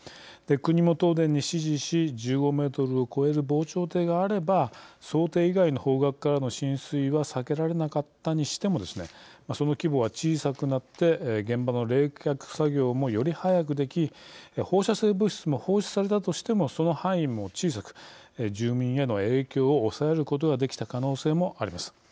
国も東電に指示し１５ｍを超える防潮堤があれば想定以外の方角からの浸水は避けられなかったにしてもその規模は小さくなって現場の冷却作業もより早くでき放射性物質も放出されたとしてもその範囲も小さく住民への影響を抑えることができた可能性もあります。